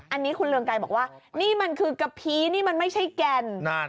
อันนี้คุณเรืองไกรบอกว่านี่มันคือกะพีนี่มันไม่ใช่แกน